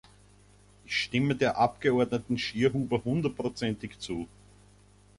Ich stimme der Abgeordneten Schierhuber hundertprozentig zu.